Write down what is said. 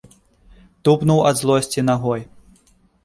Тупнуў ад злосці нагой.